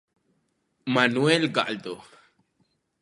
Manuel Galdo.